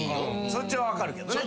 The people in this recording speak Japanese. そっちは分かるけどね。